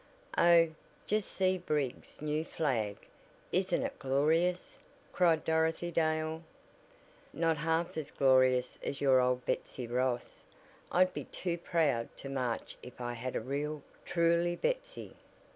Oh, just see Briggs' new flag! Isn't it glorious?" cried Dorothy Dale. "Not half as glorious as your old Betsy Ross. I'd be too proud to march if I had a real, truly Betsy.